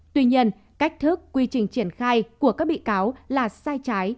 tuy nhiên cách thức quy trình triển khai của các bị cáo là sai trái